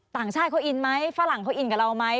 ต่างชาติเขาอินไหมฝรั่งเขาอินกับเราไหม